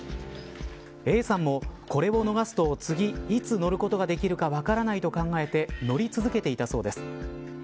Ａさんも、これを逃すと次、いつ乗ることができるか分からないと考えて乗り続けていたそうです。